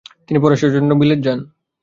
তিনি পড়াশোনার জন্য বিলেত যান।